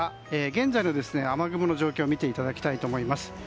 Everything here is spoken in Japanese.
現在の雨雲の状況を見ていただきたいと思います。